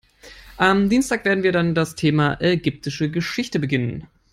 Am Dienstag werden wir dann das Thema ägyptische Geschichte beginnen.